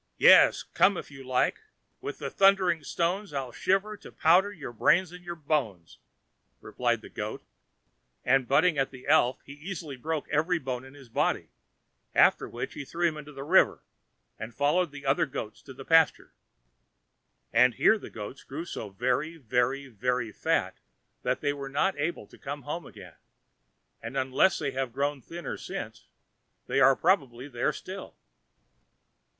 Yes, come if you like; and with thundering stones I shiver to powder your brains and your bones," replied the goat; and, butting at the elf, he easily broke every bone in his body, after which he threw him into the river, and followed the other goats to the pastures. And here the goats grew so very, very, very fat that they were not able to come home again; and, unless they have grown thinner since, they are probably there still.